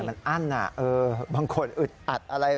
มันอั้นบางคนอึดอัดอะไร